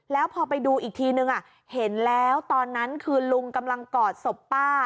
แล้วพอไปดูอีกทีนึงเห็นแล้วตอนนั้นคือลุงกำลังกอดศพป้า